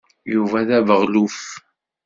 Yuba d abeɣluf.